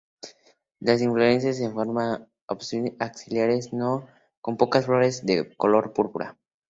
Las inflorescencias en forma de umbelas axilares, con pocas flores de color púrpura.